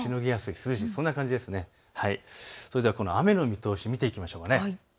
それでは雨の見通し見ていきましょう。